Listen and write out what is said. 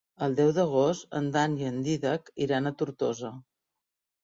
El deu d'agost en Dan i en Dídac iran a Tortosa.